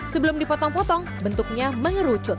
sebelum dipotong potong bentuknya mengerucut